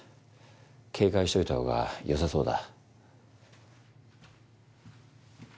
警戒しといたほうが良さそうだ。